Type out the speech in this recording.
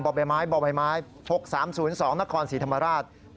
บไหม๖๓๐๒นศรีธรรมราช